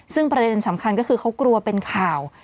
ซึ่งประเด็นสำคัญก็คือเขากลัวเป็นข่าว